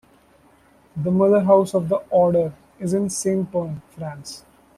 The motherhouse of the order is in Saint-Pern, France.